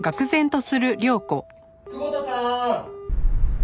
久保田さん！